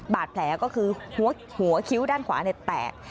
บาดแผลก็คือหัวคิ้วด้านขวาแตก